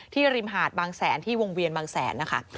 ริมหาดบางแสนที่วงเวียนบางแสนนะคะ